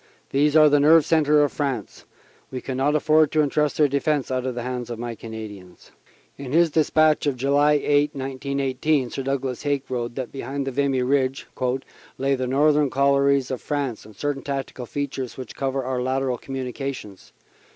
These are the nerve centre of France. We can not afford to entrust their defense out of the hands of my Cana dians." In his despatch of July 8, 1918, Sir Douglas Haig wrote that behind Vimy Ridge "lay the northern collieries of France and certain tactical features which cover our lateral communi cations.